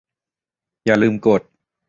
อย่าลืมกด